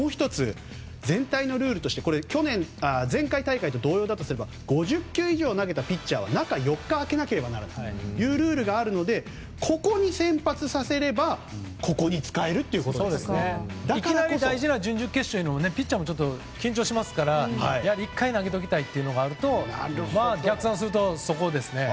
全体のルールとして前回大会と同様なら５０球以上投げたピッチャーは中４日空けないといけないルールがあるのでここに先発させればいきなり大事な準々決勝はピッチャーも緊張しますから１回投げておきたいというのがあると逆算するとそこですね。